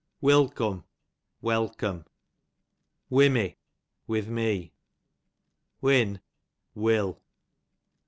Wilcome, welcome. Wimmy, with me. Win, will.